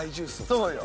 そうよ！